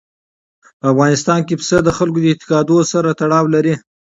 په افغانستان کې پسه د خلکو د اعتقاداتو سره تړاو لري.